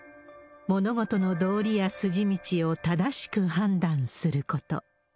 物事の道理や筋道を正しく判断すること。